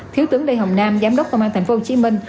thiếu tướng lê hồng nam giám đốc công an thành phố hồ chí minh